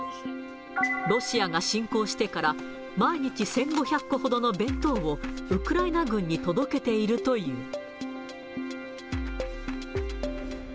ロシアが侵攻してから、毎日１５００個ほどの弁当を、ウクライナ軍に届けているという。